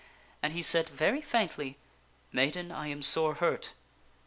And he said, very faintly, " Maiden, I am sore hurt."